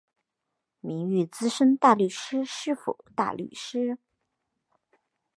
名誉资深大律师是否大律师？